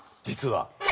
実は。